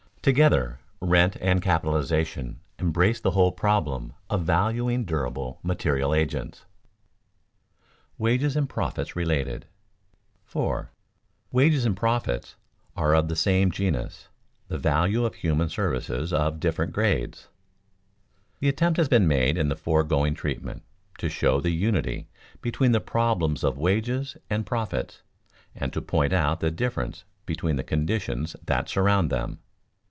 Together, rent and capitalization embrace the whole problem of valuing durable material agents. [Sidenote: Wages and profits related] 4. Wages and profits are of the same genus, the value of human services of different grades. The attempt has been made in the foregoing treatment to show the unity between the problems of wages and profits, and to point out the difference between the conditions that surround them.